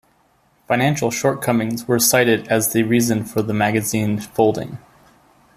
Financial shortcomings were cited as the reason for the magazine folding.